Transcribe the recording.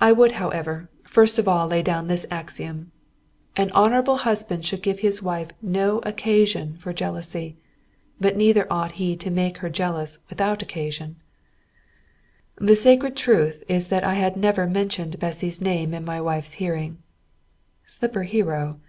I would, however, first of all, lay down this axiom: "An honourable husband should give his wife no occasion for jealousy; but neither ought he to make her jealous without occasion." The sacred truth is that I had never mentioned Bessy's name in my wife's hearing. ("Slipper hero!")